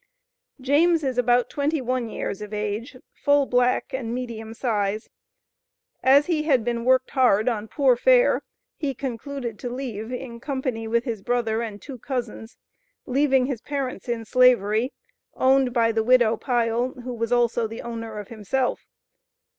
James is about twenty one years of age, full black, and medium size. As he had been worked hard on poor fare, he concluded to leave, in company with his brother and two cousins, leaving his parents in slavery, owned by the "Widow Pyle," who was also the owner of himself.